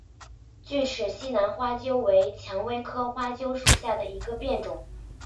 巨齿西南花楸为蔷薇科花楸属下的一个变种。